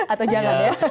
atau jangan ya